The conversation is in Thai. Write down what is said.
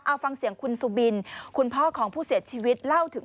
เอาฟังเสียงคุณสุบินคุณพ่อของผู้เสียชีวิตเล่าถึง